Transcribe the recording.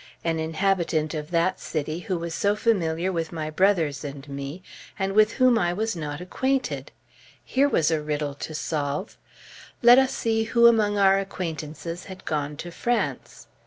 An inhabitant of that city, who was so familiar with my brothers and me, and with whom I was not acquainted! Here was a riddle to solve. Let us see who among our acquaintances had gone to France.